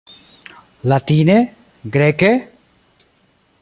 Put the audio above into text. Latine? Greke?